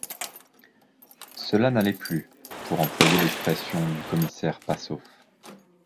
Cela « n’allait plus », pour employer l’expression du commissaire Passauf.